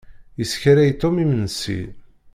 Yeskaray Tom imensi.